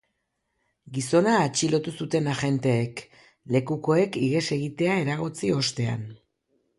Gizona atxilotu zuten agenteek, lekukoek ihes egitea eragotzi ostean.